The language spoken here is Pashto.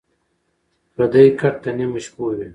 ـ پردى کټ تر نيمو شپو وي.